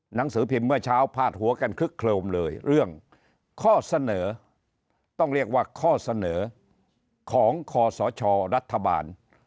หนังสือพิมพ์เมื่อเช้าพาดหัวกันคึกโครมเลยเรื่องข้อเสนอต้องเรียกว่าข้อเสนอของคอสชรัฐบาล